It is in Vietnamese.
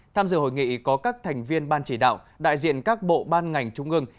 tham dự hội nghị có các thành viên ban chỉ đạo đại diện các bộ ban ngành trung ương